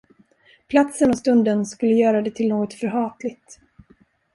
Platsen och stunden skulle göra det till något förhatligt.